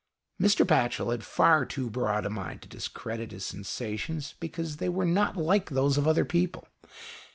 Mr. Batchel had far too broad a mind to discredit his sensations because they were not like those of other people.